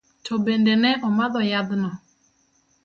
To bende ne omadho yadhno?